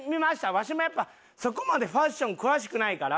わしもやっぱそこまでファッション詳しくないから。